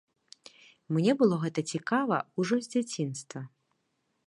Мне было гэта цікава ўжо з дзяцінства.